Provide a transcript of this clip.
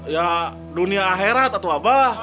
ya dunia akhirat atau apa